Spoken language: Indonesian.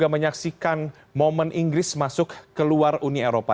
menyaksikan momen inggris masuk ke luar uni eropa